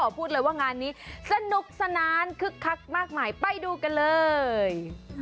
พูดเลยว่างานนี้สนุกสนานคึกคักมากมายไปดูกันเลย